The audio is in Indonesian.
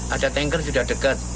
ada tanker sudah dekat